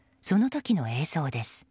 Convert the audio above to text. その時の映像です。